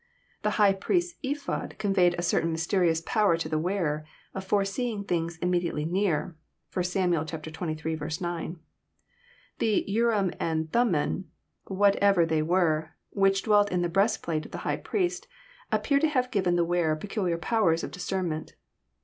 The high priest's ephod conveyed a certain mysterious power to the wearer, of forseeing things Immediate ly near. (1 Sam. xxiil. 9.) The " urlm and thummln," whatever they were, which dwelt in the breast plate of the high priest, appear to have given the wearer peculiar powers of discern ment.